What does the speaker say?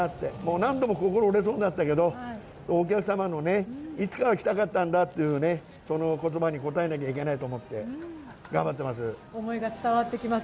何度も心折れそうになったけど、お客様の、いつかは来たかったんだという、その言葉に応えなきゃいけないと思って頑張ってます。